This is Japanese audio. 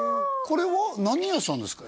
これは何屋さんですか？